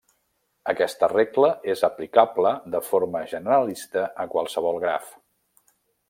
Aquesta regla és aplicable de forma generalista a qualsevol graf.